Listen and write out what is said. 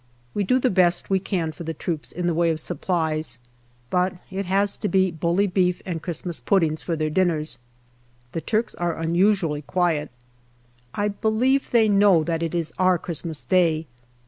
We do the best we can for the troops in the way of supplies, but it has to be bully beef and Christmas puddings for their dinners. The Turks are unusually quiet. I believe they know that it is our Christmas Day.